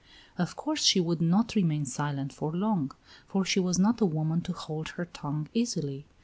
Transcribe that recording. Of course she would not remain silent for long; for she was not a woman to hold her tongue easily.